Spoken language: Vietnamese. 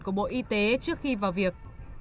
của bộ y tế trước khi vào việc